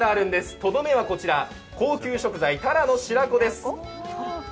とどめはこちら、高級食材たらの白子です。